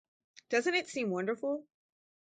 Doesn’t it seem wonderful?